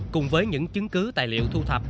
cùng với những chứng cứ tài liệu thu thập